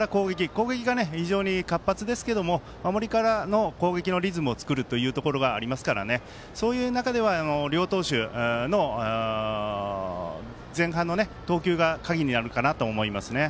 攻撃が非常に活発ですけど守りからの攻撃のリズムを作るというところがありますからそういう中では両投手の前半の投球が鍵になるかなと思います。